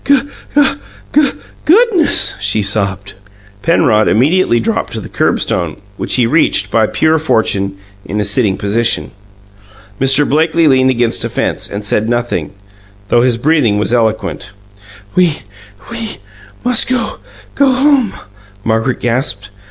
"Guh uh guh GOODNESS!" she sobbed. Penrod immediately drooped to the curb stone, which he reached, by pure fortune, in a sitting position. Mr. Blakely leaned against a fence, and said nothing, though his breathing was eloquent. "We we must go go home," Margaret gasped.